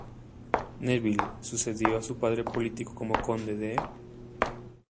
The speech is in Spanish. Neville sucedió a su padre político como Conde de